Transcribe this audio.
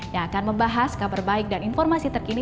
yang akan membahas kabar baik dan informasi terkini